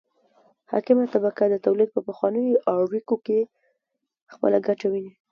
حاکمه طبقه د تولید په پخوانیو اړیکو کې خپله ګټه ویني.